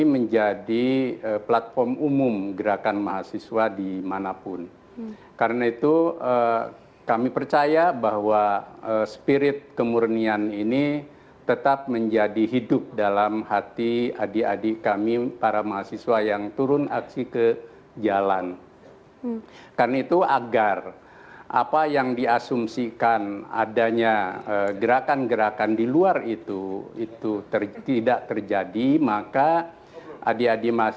bersama bapak bapak sekalian